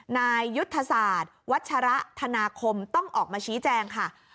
นายยุทธศาสตร์วัชระธนาคมต้องออกมาชี้แจงค่ะ